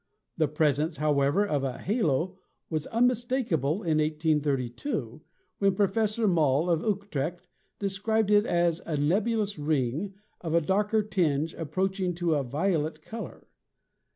The presence, however, of a 'halo' was unmistakable in 1832, when Professor Moll, of Utrecht, described it as a 'nebulous ring of a darker tinge approach ing to the violet color.'